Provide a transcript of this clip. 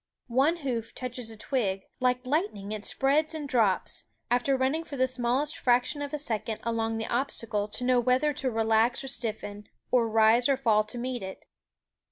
One hoof touches a twig ; like lightning it spreads and drops, after running for the smallest fraction of a second along the obstacle to know whether to relax or stiffen, or rise or fall to meet it.